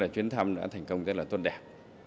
chuyến thăm đã thành công rất là tốt đẹp